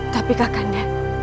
tapi kak kanda